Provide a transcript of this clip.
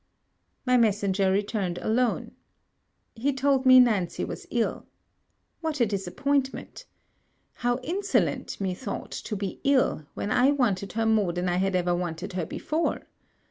My messenger returned alone. He told me Nancy was ill. What a disappointment! How insolent, methought, to be ill, when I wanted her more than I had ever wanted her before.